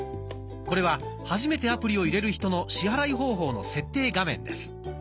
これは初めてアプリを入れる人の支払い方法の設定画面です。